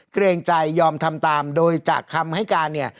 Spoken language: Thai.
เกรงใจยอมทำตามโดยจากคำให้การเนี่ย